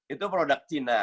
itu produk cina